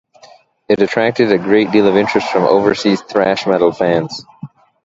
It attracted a great deal of interest from overseas thrash metal fans.